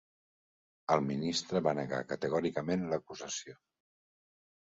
El ministre va negar categòricament l'acusació.